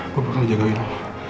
gue bakal jaga ino